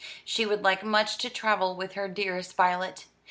She would like much to travel with her dearest Violet.